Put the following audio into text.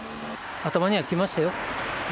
頭にはきましたよ。